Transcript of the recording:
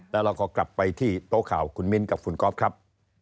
แล้วเราก็กลับไปที่โต๊ะข่าวคุณมิ้นกับคุณก๊อฟครับ